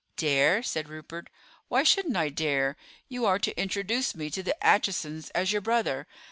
"Dare?" said Rupert; "why shouldn't I dare? You are to introduce me to the Achesons as your brother.